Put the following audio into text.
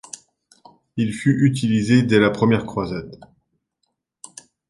Il fut utilisé dès la première croisade.